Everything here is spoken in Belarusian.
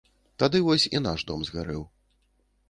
Тады вось і наш дом згарэў.